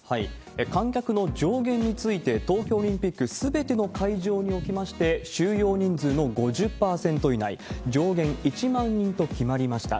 観客の上限について、東京オリンピック、すべての会場におきまして、収容人数の５０％以内、上限１万人と決まりました。